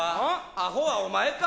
アホはお前か？